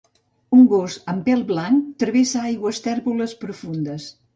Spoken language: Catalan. Un gos amb pèl blanc travessa aigües tèrboles profundes.